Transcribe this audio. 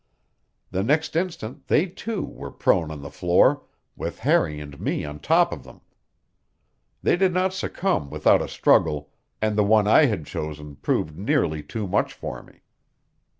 The next instant they, too, were prone on the floor, with Harry and me on top of them. They did not succumb without a struggle, and the one I had chosen proved nearly too much for me.